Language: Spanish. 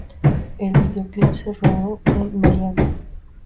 El vídeoclip se rodó en Miami.